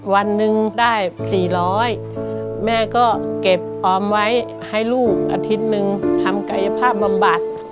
วันหนึ่งได้๔๐๐แม่ก็เก็บออมไว้ให้ลูกอาทิตย์หนึ่งทำกายภาพบำบัด